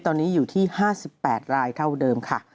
ตอนนี้อยู่ที่๕๘รายเท่าเดิมค่ะ